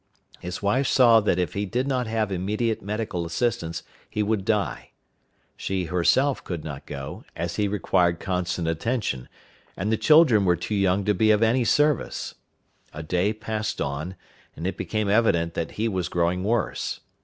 His wife saw that if he did not have immediate medical assistance he would die. She herself could not go, as he required constant attention, and the children were too young to be of any service. A day passed on, and it became evident that he was growing worse.